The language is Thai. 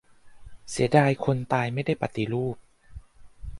"เสียดายคนตายไม่ได้ปฏิรูป"